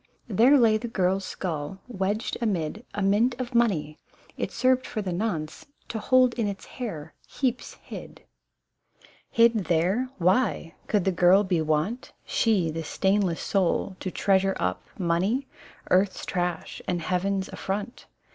there lay the girl's skull wedged amid A mint of money, it served for the nonce To hold in its hair heaps hid ! Hid there? Why? Could the girl be wont (She the stainless soul) to treasure up Money, earth's trash and heaven's affront?